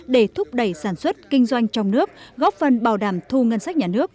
để thúc đẩy sản xuất kinh doanh trong nước góp phần bảo đảm thu ngân sách nhà nước